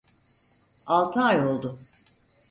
Altı ay oldu.